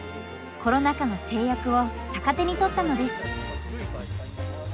コロナ禍の制約を逆手にとったのです。